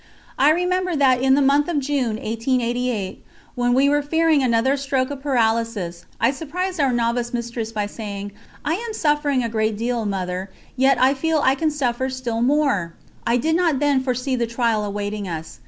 ... I remember that in the month of June 1888, when we were fearing another stroke of paralysis, I surprised our Novice Mistress by saying: "I am suffering a great deal, Mother, yet I feel I can suffer still more." I did not then foresee the trial awaiting us.